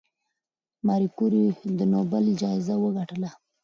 ماري کوري د نوبل جایزه وګټله؟